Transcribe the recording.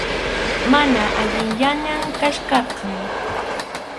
Mana allinllañam kachkarqan.